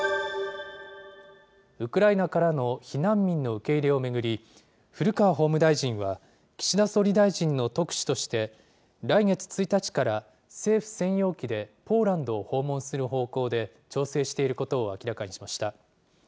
ウクライナからの避難民の受け入れを巡り、古川法務大臣は、岸田総理大臣の特使として、来月１日から政府専用機でポーランドを訪問する方向で調整していることを明らかにしました。